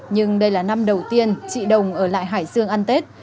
nhưng đây là năm đầu tiên chị đồng ở lại hải dương ăn tết